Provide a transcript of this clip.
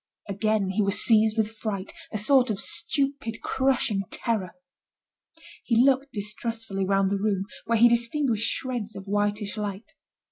Again he was seized with fright, a sort of stupid crushing terror. He looked distrustfully round the room, where he distinguished shreds of whitish light.